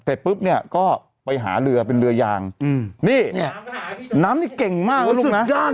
แต่ปุ๊บเนี้ยก็ไปหาเรือเป็นเรือยางอืมนี่น้ำนี่เก่งมากนะลูกนะสุดยอดน้ำ